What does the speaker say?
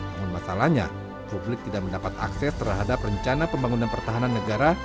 namun masalahnya publik tidak mendapat akses terhadap rencana pembangunan pertahanan negara